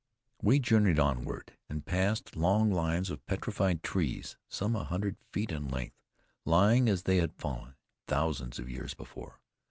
We journeyed onward, and passed long lines of petrified trees, some a hundred feet in length, lying as they had fallen, thousands of years before.